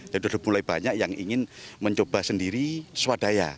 jadi sudah mulai banyak yang ingin mencoba sendiri swadaya